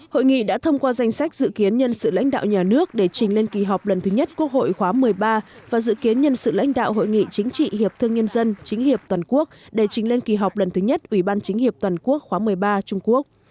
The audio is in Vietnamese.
hội nghị đã thông qua danh sách dự kiến nhân sự lãnh đạo nhà nước để trình lên kỳ họp lần thứ nhất quốc hội khóa một mươi ba và dự kiến nhân sự lãnh đạo hội nghị chính trị hiệp thương nhân dân chính hiệp toàn quốc để chính lên kỳ họp lần thứ nhất ủy ban chính hiệp toàn quốc khóa một mươi ba trung quốc